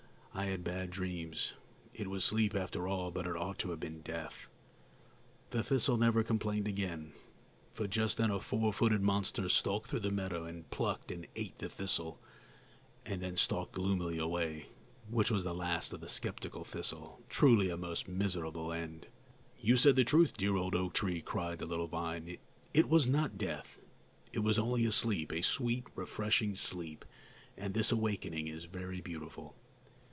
"I had bad dreams. It was sleep, after all, but it ought to have been death." The thistle never complained again; for just then a four footed monster stalked through the meadow and plucked and ate the thistle and then stalked gloomily away; which was the last of the sceptical thistle, truly a most miserable end! "You said the truth, dear old oak tree!" cried the little vine. "It was not death, it was only a sleep, a sweet, refreshing sleep, and this awakening is very beautiful."